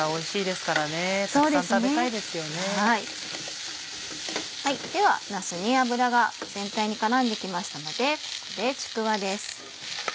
ではなすに油が全体に絡んで来ましたのでここでちくわです。